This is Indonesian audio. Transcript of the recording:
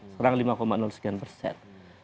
sekarang lima sekian persen